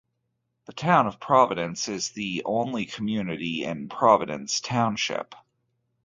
The town of Providence is the only community in Providence Township.